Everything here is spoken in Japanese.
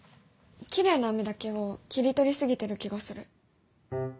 きれいな海だけを切り取り過ぎてる気がする。